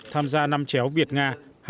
tham gia năm chéo việt nga